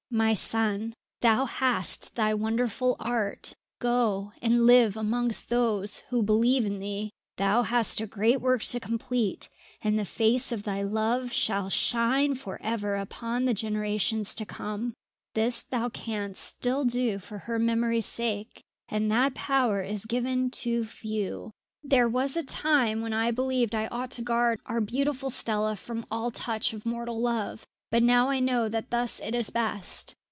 "My son, thou hast thy wonderful art. Go and live amongst those who believe in thee. Thou hast a great work to complete, and the face of thy love shall shine for ever upon the generations to come. This thou canst still do for her memory's sake, and that power is given to few. "There was a time when I believed I ought to guard our beautiful Stella from all touch of mortal love; but now I know that thus it is best.